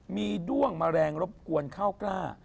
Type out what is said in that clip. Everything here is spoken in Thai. ด้วงแมลงรบกวนข้าวกล้า